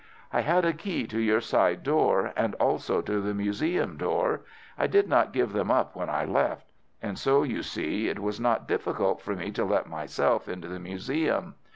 I had a key to your side door and also to the museum door. I did not give them up when I left. And so you see it was not difficult for me to let myself into the museum.